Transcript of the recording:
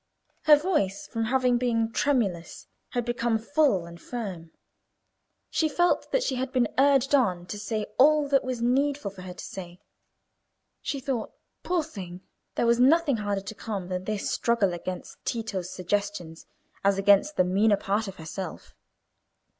Her voice, from having been tremulous, had become full and firm. She felt that she had been urged on to say all that it was needful for her to say. She thought, poor thing, there was nothing harder to come than this struggle against Tito's suggestions as against the meaner part of herself.